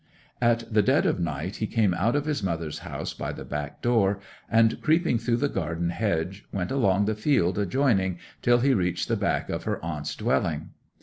'At the dead of night he came out of his mother's house by the back door, and creeping through the garden hedge went along the field adjoining till he reached the back of her aunt's dwelling.